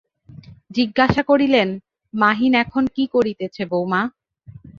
জিজ্ঞাসা করিলেন, মহিন এখন কী করিতেছে বউমা।